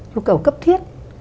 nhu cầu cấp thiết